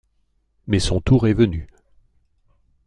Mais son tour est venu.